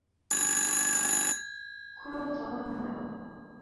کولو توان نه لرم .